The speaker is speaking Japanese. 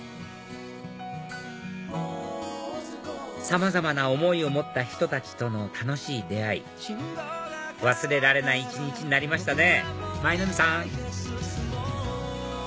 さまざまな思いを持った人たちとの楽しい出会い忘れられない一日になりましたね！